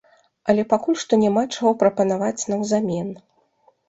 Але пакуль што няма чаго прапанаваць наўзамен.